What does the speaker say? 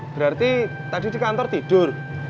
berarti tadi di kantor tidur